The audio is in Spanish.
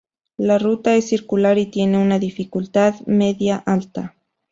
La ruta es circular y tiene una dificultad media-alta.